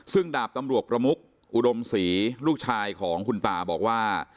ซึ่งดาบตำรวจประมุกอุดมศรีลูกชายของคุณตาบอกว่า